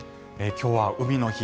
今日は海の日